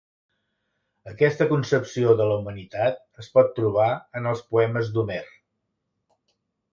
Aquesta concepció de la humanitat es pot trobar en els poemes d'Homer.